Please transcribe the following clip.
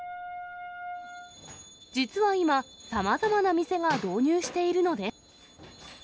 実は今、さまざまな店が導入しているのです。